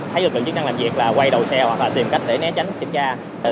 thấy lực lượng chức năng làm việc là quay đầu xe hoặc là tìm cách để né tránh kiểm tra